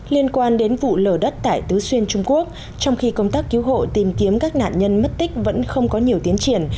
liên quan đến vụ lở đất tại tứ xuyên trung quốc trong khi công tác cứu hộ tìm kiếm các nạn nhân mất tích vẫn không có nhiều tiến triển